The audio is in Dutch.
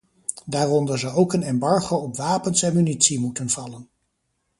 Daaronder zou ook een embargo op wapens en munitie moeten vallen.